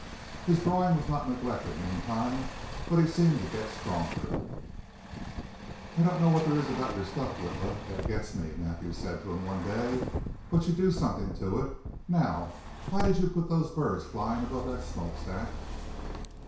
His drawing was not neglected meantime, but seemed to get stronger. "I don't know what there is about your stuff, Witla, that gets me," Mathews said to him one day, "but you do something to it. Now why did you put those birds flying above that smokestack?"